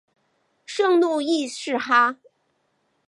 圣路易士哈！